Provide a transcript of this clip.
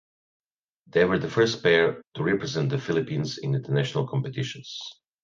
They were the first pair to represent the Philippines in international competitions.